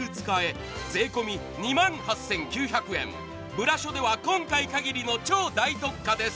ブラショでは今回限りの大特価です。